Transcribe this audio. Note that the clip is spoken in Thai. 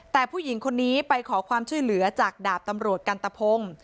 แต่ผู้หญิงคนนี้ไปขอความช่วยเหลือจากดาบตำรวจกันตะพงศ์